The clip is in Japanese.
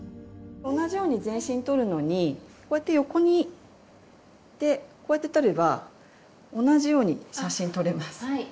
同じように全身撮るのにこうやって横にこうやって撮れば同じように写真撮れます。